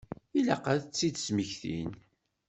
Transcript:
Ilaq ad tt-id-smektin.